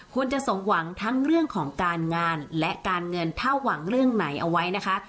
คุณจะสมหวังทั้งเรื่องของการงานและการเงินถ้าหวังเรื่องไหนเอาไว้นะคะ